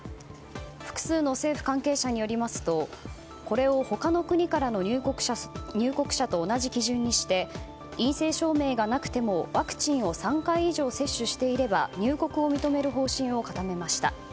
複数の政府関係者によりますとこれを他の国からの入国者と同じ基準にして陰性証明がなくてもワクチンを３回以上接種していれば入国を認める方針を固めました。